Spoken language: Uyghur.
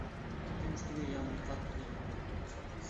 ئىككىنچى كۈنى، يامغۇر قاتتىق يېغىپ كەتتى.